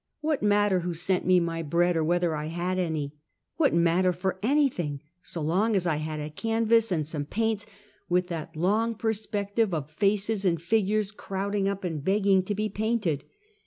What matter who sent me mj bread, or whether I had anj? What matter for anything, so long as I had a canvas and some paints, with that long perspective of faces and figures crowding up and beg ging to be painted.